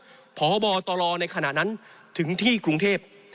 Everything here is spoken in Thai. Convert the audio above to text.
ก็ได้มามอบตัวกับพลตำรวจเอกสมยศพุ่มพันธ์ม่วงพบตลในขณะนั้นถึงที่กรุงเทพฯ